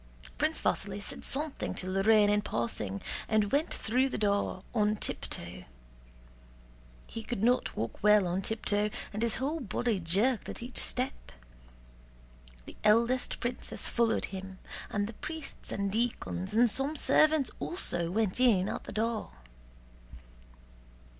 Prince Vasíli said something to Lorrain in passing and went through the door on tiptoe. He could not walk well on tiptoe and his whole body jerked at each step. The eldest princess followed him, and the priests and deacons and some servants also went in at the door.